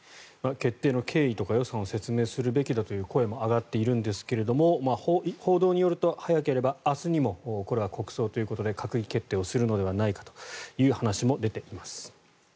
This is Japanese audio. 決定の経緯とか予算を説明するべきだという声も上がっているんですが報道によると早ければ明日にもこれは国葬ということで閣議決定をするのではないかという話も出ています。